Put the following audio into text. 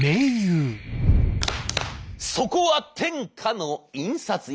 そこは天下の印刷屋！